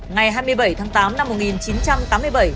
ngày hai mươi bảy tháng tám năm một nghìn chín trăm tám mươi bảy